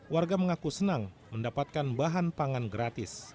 warga mengaku senang mendapatkan bahan pangan gratis